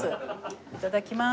いただきます。